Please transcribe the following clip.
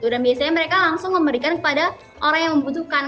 biasanya mereka langsung memberikan kepada orang yang membutuhkan